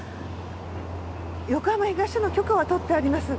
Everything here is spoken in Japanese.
横浜東署の許可はとってあります。